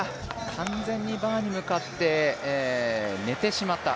完全にバーに向かって寝てしまった。